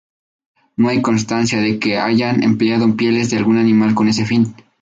No hay constancia de que hayan empleado pieles de algún animal con ese fin.